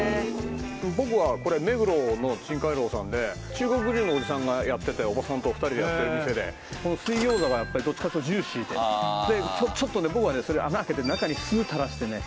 僕はこれ目黒の鎮海楼さんで中国人のおじさんがおばさんと２人でやってる店でこの水餃子がどっちかっていうとジューシーで僕はねそれ穴開けて中に酢たらしてね